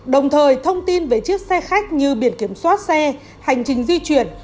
đồng thời thông tin về chiếc xe khách như biển kiểm soát xe hành trình di chuyển